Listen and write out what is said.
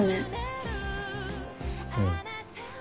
うん。